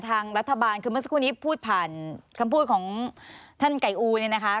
ทางรัฐบาลคือเมื่อสักครู่นี้พูดผ่านคำพูดของท่านไก่อูเนี่ยนะคะ